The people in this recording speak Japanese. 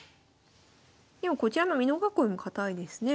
でもこちらの美濃囲いも堅いですね。